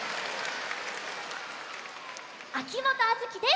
秋元杏月です。